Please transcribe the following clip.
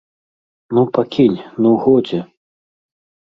Ну, пакінь, ну, годзе.